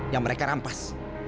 yang mereka rampas